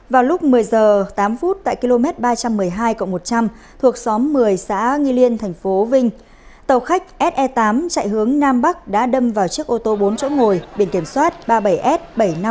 vào lúc một mươi h tám phút tại km ba trăm một mươi hai một trăm linh thuộc xóm một mươi xã nghi liên thành phố vinh tàu khách se tám chạy hướng nam bắc đã đâm vào chiếc ô tô bốn chỗ ngồi biển kiểm soát ba mươi bảy s bảy trăm năm mươi